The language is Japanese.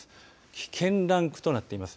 危険ランクとなっています。